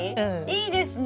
いいですね。